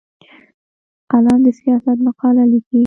قلم د سیاست مقاله لیکي